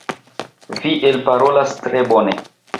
Vi elparolas tre bone.